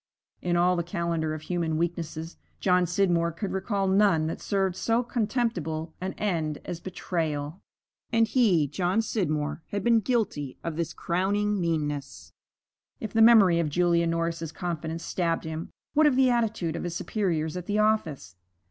In all the calendar of human weaknesses, John Scidmore could recall none that served so contemptible an end as betrayal. And he, John Scidmore, had been guilty of this crowning meanness. If the memory of Julia Norris's confidence stabbed him, what of the attitude of his superiors at the office?